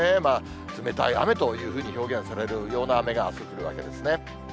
冷たい雨というふうに表現されるような雨があす降るわけですね。